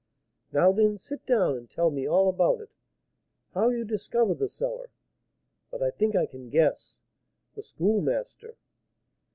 "Now, then, sit down, and tell me all about it, how you discovered the cellar. But I think I can guess. The Schoolmaster?"